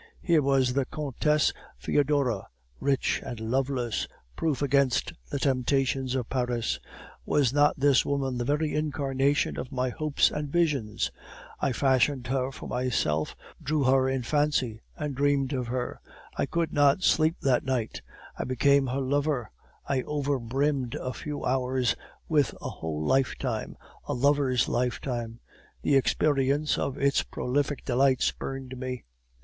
Here was the Countess Foedora, rich and loveless, proof against the temptations of Paris; was not this woman the very incarnation of my hopes and visions? I fashioned her for myself, drew her in fancy, and dreamed of her. I could not sleep that night; I became her lover; I overbrimmed a few hours with a whole lifetime a lover's lifetime; the experience of its prolific delights burned me.